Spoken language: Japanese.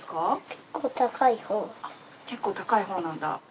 結構高いほうなんだ。